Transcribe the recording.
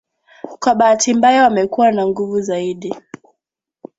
Kwa bahati mbaya wamekuwa na nguvu zaidi